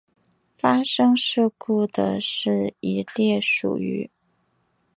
发生事故的是一列属于。